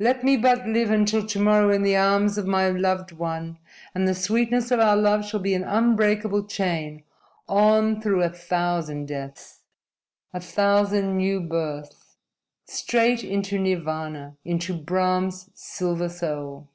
"Let me but live until to morrow in the arms of my loved one, and the sweetness of our love shall be an unbreakable chain on through a thousand deaths, a thousand new births, straight into Nirvana into Brahm's silver soul!"